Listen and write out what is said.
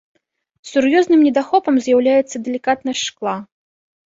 Сур'ёзным недахопам з'яўляецца далікатнасць шкла.